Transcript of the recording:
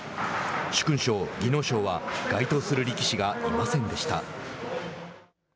殊勲賞、技能賞は該当する力士がいませんでした。